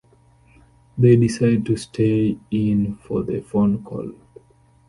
They decide to stay in for the phone call.